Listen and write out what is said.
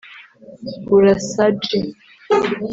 Burasa J